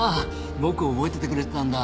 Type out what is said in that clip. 僕を覚えててくれてたんだ。